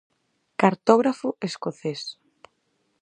Cartógrafo escocés.